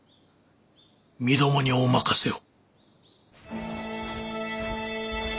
身どもにお任せを。